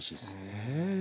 へえ。